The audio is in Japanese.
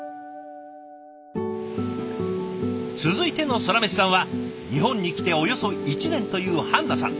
続いてのソラメシさんは日本に来ておよそ１年というハンナさん。